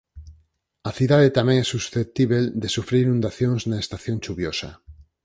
A cidade tamén é susceptíbel de sufrir inundacións na estación chuviosa.